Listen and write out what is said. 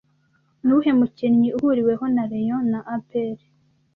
Nuwuhe mukinnyi uhuriweho na rayon na apr